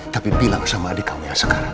tapi bilang sama adik kamu yang sekarang